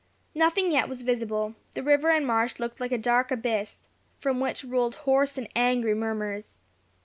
Nothing yet was visible. The river and marsh looked like a dark abyss, from which rolled hoarse and angry murmurs.